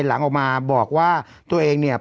หลังออกมาบอกว่าตัวเองเนี่ย